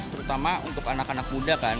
terutama untuk anak anak muda kan